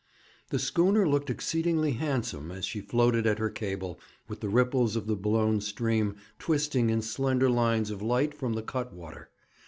The schooner looked exceedingly handsome as she floated at her cable, with the ripples of the blown stream twisting in slender lines of light from the cut water.